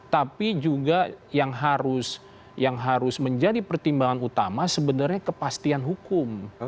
tapi juga yang harus menjadi pertimbangan utama sebenarnya kepastian hukum